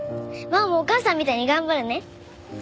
真央もお母さんみたいに頑張るね。